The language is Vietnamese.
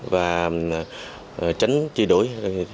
và tránh chi đuổi